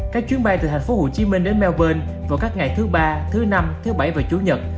các chuyến bay từ tp hcm đến melbourne vào các ngày thứ ba thứ năm thứ bảy và chủ nhật